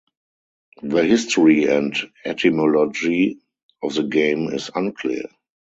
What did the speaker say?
The history and etymology of the game is unclear.